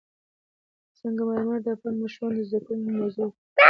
سنگ مرمر د افغان ماشومانو د زده کړې موضوع ده.